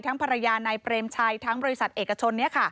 ภรรยานายเปรมชัยทั้งบริษัทเอกชน